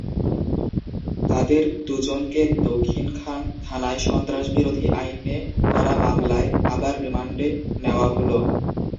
তাঁদের দুজনকে দক্ষিণখান থানায় সন্ত্রাসবিরোধী আইনে করা মামলায় আবার রিমান্ডে নেওয়া হলো।